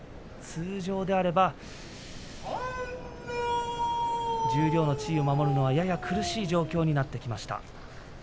通常であれば十両の地位を守るのはやや苦しい状況になってきました。